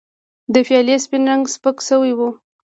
د پیالې سپین رنګ سپک شوی و.